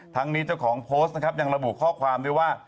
นี้เจ้าของโพสต์นะครับยังระบุข้อความด้วยว่า